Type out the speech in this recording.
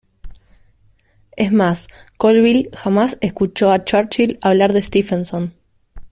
Es más, Colville jamás escuchó a Churchill hablar de Stephenson.